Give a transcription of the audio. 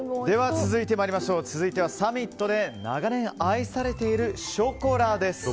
続いてはサミットで長年愛されているショコラです。